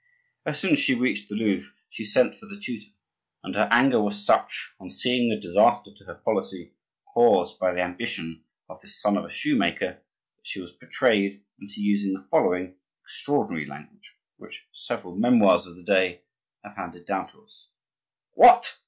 As soon as she reached the Louvre she sent for the tutor, and her anger was such, on seeing the disaster to her policy caused by the ambition of this son of a shoemaker, that she was betrayed into using the following extraordinary language, which several memoirs of the day have handed down to us:— "What!"